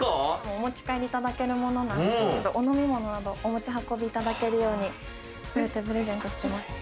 お持ち帰りいただけるものなんですけどお飲み物などお持ち運びいただけるように全てプレゼントしてます。